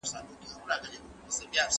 ته خپل پندونه وایه خو باور به د چا راسي